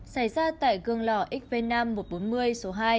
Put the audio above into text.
xảy ra tại gương lò xv năm một trăm bốn mươi số hai